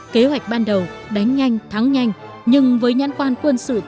kế hoạch ban đầu đánh nhanh thắng nhanh